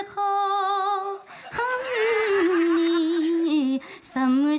การทำงานที่นู่น